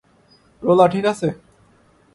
লোলা ঠিক আছে?